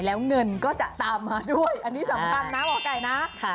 แล้วเงินก็จะตามมาด้วยอันนี้สำคัญนะหมอไก่นะ